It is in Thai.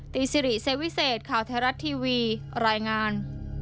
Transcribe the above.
สิริเซวิเศษข่าวไทยรัฐทีวีรายงาน